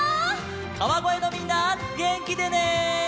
川越のみんなげんきでね！